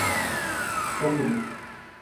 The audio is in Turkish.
Çok ucuz.